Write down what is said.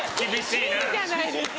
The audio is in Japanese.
いいじゃないですか。